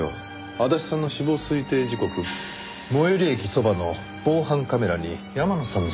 足立さんの死亡推定時刻最寄り駅そばの防犯カメラに山野さんの姿が映ってました。